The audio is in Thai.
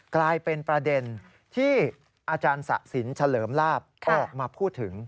กลายเป็นประเด็นที่อาจารย์สะสินเฉลิมลาบออกมาพูดถึง